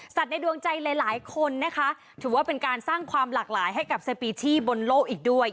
ในดวงใจหลายหลายคนนะคะถือว่าเป็นการสร้างความหลากหลายให้กับสปีชีบนโลกอีกด้วย